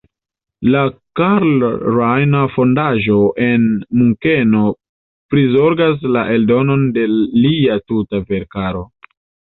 La Karl-Rahner-Fondaĵo en Munkeno prizorgas la eldonon de lia tuta verkaro.